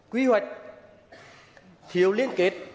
quy hoạch thiếu liên kết